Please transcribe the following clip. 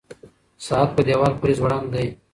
ساعت په دیوال پورې ځوړند دی.